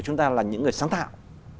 chúng ta là những người sáng tạo